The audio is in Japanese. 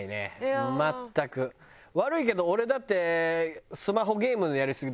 悪いけど俺だって。